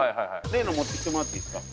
例の持ってきてもらっていいですか？